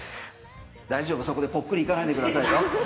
そこでぽっくり逝かないでくださいよ。